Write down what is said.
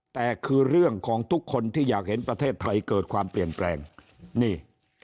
แต่คือเรื่องของทุกคนที่อยากเห็นประเทศไทยเกิดความเปลี่ยนแปลงนี่